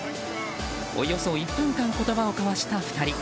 およそ１分間言葉を交わした２人。